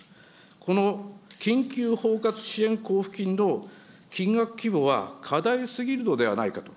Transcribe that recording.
この緊急包括支援交付金の金額規模は過大すぎるのではないかと。